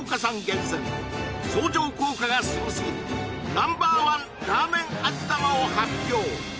厳選相乗効果がすごすぎるナンバー１ラーメン味玉を発表